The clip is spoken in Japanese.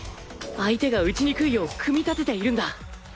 相手が打ちにくいよう組み立てているんだ